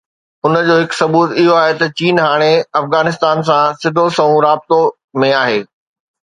ان جو هڪ ثبوت اهو آهي ته چين هاڻي افغانستان سان سڌو سنئون رابطو ۾ آهي.